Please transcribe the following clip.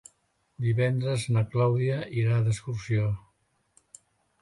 Divendres na Clàudia irà d'excursió.